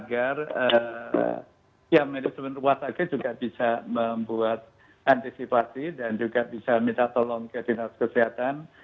dan saya kira itu perlu secara berkala diinformasikan agar yang medis rumah sakit juga bisa membuat antisipasi dan juga bisa minta tolong ke dinas kesehatan